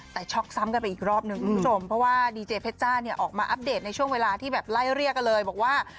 แต่ช็อกซ้ำกันไปอีกรอบนึงคุณผู้ชมเพราะว่าดีเจเพชจ้าเนี่ยออกมาอัปเดตในช่วงเวลาที่แบบไล่เรียกกันเลยบอกว่า